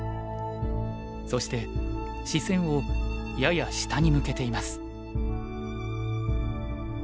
そして視線をやや下に向けています。